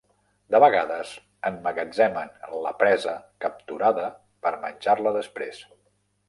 De vegades, emmagatzemen la presa capturada per menjar-la després.